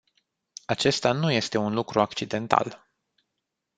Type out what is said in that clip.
Acesta nu este un lucru accidental.